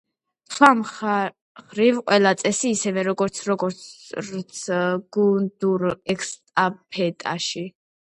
სხვა მხრივ ყველა წესი ისევე როგორ როგორც გუნდურ ესტაფეტაში.